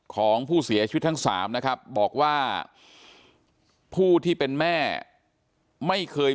ของผู้เสียชีวิตทั้งสามนะครับบอกว่าผู้ที่เป็นแม่ไม่เคย